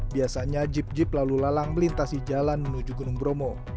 biasanya jeep jeep lalu lalang melintasi jalan menuju gunung bromo